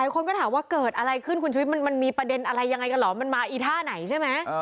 คนก็ถามว่าเกิดอะไรขึ้นคุณชูวิทมันมีประเด็นอะไรอย่างไรกันเหรอ